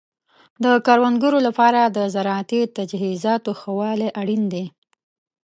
د کروندګرو لپاره د زراعتي تجهیزاتو ښه والی اړین دی.